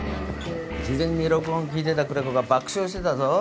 事前に録音聴いてた久連木が爆笑してたぞ。